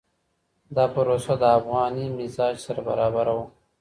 دا پروسه د افغاني مزاج سره برابره وه.